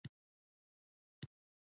چي کرې، هغه به رېبې.